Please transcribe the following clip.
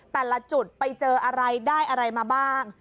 แต่ละจุดไปเจออะไรได้อะไรมาบ้าง